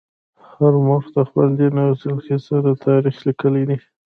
هر مورخ د خپل دین او سلیقې سره تاریخ لیکلی دی.